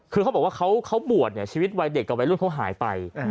คือเขาบอกว่าเขาบวชเนี่ยชีวิตวัยเด็กกับวัยรุ่นเขาหายไป